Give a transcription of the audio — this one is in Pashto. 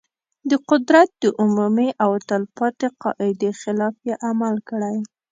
د قدرت د عمومي او تل پاتې قاعدې خلاف یې عمل کړی.